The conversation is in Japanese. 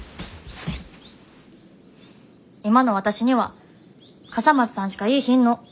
今のわたしには笠松さんしかいーひんの。